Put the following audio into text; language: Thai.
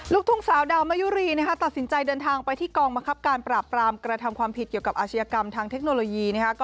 ลูกทุ่งสาวดาวมะยุรีตัดสินใจเดินทางไปที่กองบังคับการปราบปรามกระทำความผิดเกี่ยวกับอาชญากรรมทางเทคโนโลยี